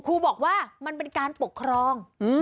ครูบอกว่ามันเป็นการปกครอง